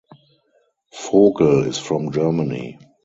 Vogel is from Germany.